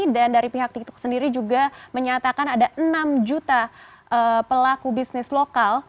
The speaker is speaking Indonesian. dan dari pihak tiktok sendiri juga menyatakan ada enam juta pelaku bisnis lokal